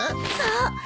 そう。